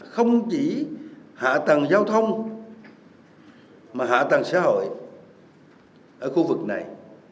không chỉ hạ tầng giao thông mà hạ tầng xã hội ở khu vực này